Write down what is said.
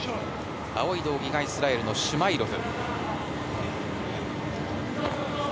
青い道着がイスラエルのシュマイロフ。